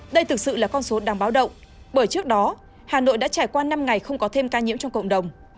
đây thực sự là con số đáng báo động bởi trước đó hà nội đã trải qua năm ngày không có thêm ca nhiễm trong cộng đồng